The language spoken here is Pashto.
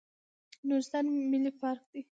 نورستان ملي پارک دی